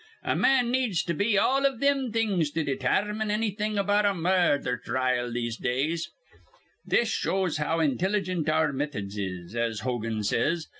A man needs to be all iv thim things to detarmine annything about a murdher trile in these days. This shows how intilligent our methods is, as Hogan says.